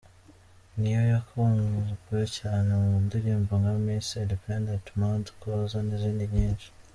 Ne-Yo yakunzwe cyane mu ndirimbo nka Miss Independent, Mad, Closer, n’izindi nyinshi.